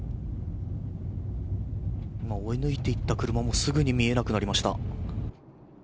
今、追い抜いて行った車もすぐに見えなくなりました。